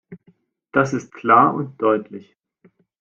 Das ist klar und deutlich.